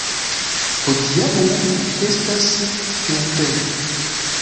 Hodiaŭ ĝi estas teatrejo.